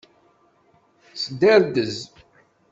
Sderdez.